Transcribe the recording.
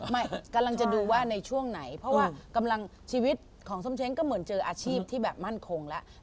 ไม่กำลังจะดูว่าในช่วงไหนเพราะว่ากำลังชีวิตของส้มเช้งก็เหมือนเจออาชีพที่แบบมั่นคงแล้ว